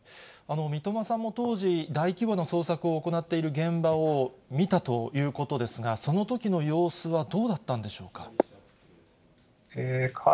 三笘さんも当時、大規模な捜索を行っている現場を見たということですが、そのときの様子はどうだったんでしょうか。